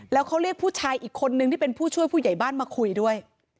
แล้วเขาเรียกผู้ชายอีกคนนึงที่เป็นผู้ช่วยผู้ใหญ่บ้านมาคุยด้วย